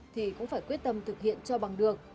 thì cũng phải quyết tâm thực hiện cho bằng được